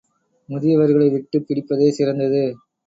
முதியவர்களை விட்டுப் பிடிப்பதே சிறந்தது.